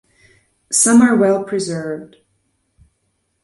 Some are well preserved.